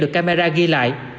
được camera ghi lại